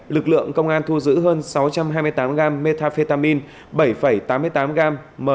lực lượng công an thu giữ hơn sáu trăm hai mươi tám gram methamphetamine bảy tám mươi tám gram mdma và chín ba mươi tám gram cocaine